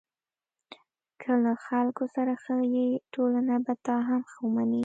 که له خلکو سره ښه یې، ټولنه به تا هم ښه ومني.